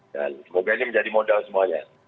semoga ini menjadi modal semuanya